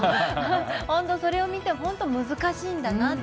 本当、それを見て難しいんだなって。